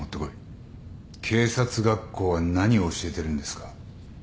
警察学校は何を教えてるんですか？